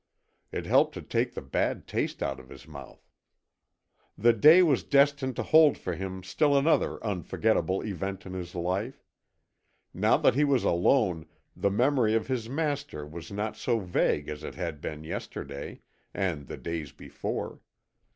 It helped to take the bad taste out of his mouth. The day was destined to hold for him still another unforgettable event in his life. Now that he was alone the memory of his master was not so vague as it had been yesterday, and the days before.